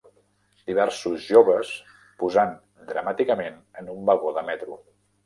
Diversos joves posant dramàticament en un vagó de metro.